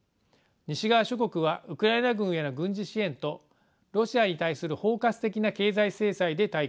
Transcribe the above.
西側諸国はウクライナ軍への軍事支援とロシアに対する包括的な経済制裁で対抗しています。